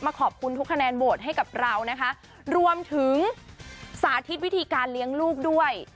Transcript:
ขอบคุณทุกคะแนนโหวตให้กับเรานะคะรวมถึงสาธิตวิธีการเลี้ยงลูกด้วย